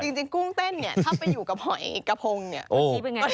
จริงกุ้งเต้นเนี่ยถ้าไปอยู่กระพงเนี่ย